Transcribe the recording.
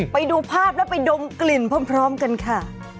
ไปดูภาพแล้วไปดมกลิ่นพร้อมกันค่ะ